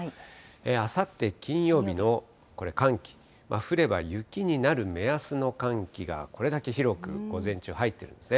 あさって金曜日の、これ寒気、降れば雪になる目安の寒気が、これだけ広く午前中入ってるんですね。